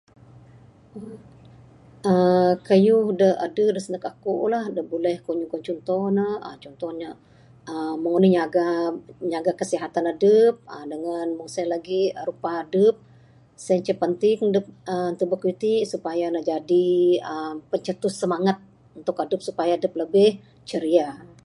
Kayuh adeh da sindek aku lah buleh ku nyugon cunto ne, cunto ne uhh meng anih nyaga meng anih nyaga kesihatan adep uhh dangan meng sien lagih rupa adep sien ce penting dep tubek kayuh ti supaya ne menjadi pencetus semangat untuk adep lebih ceria.